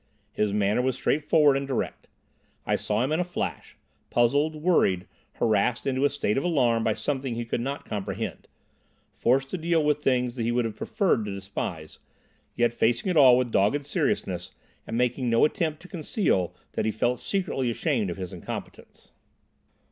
His manner was straightforward and direct. I saw him in a flash: puzzled, worried, harassed into a state of alarm by something he could not comprehend; forced to deal with things he would have preferred to despise, yet facing it all with dogged seriousness and making no attempt to conceal that he felt secretly ashamed of his incompetence.